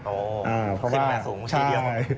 โอ้โฮขึ้นมาสูงทีเดียว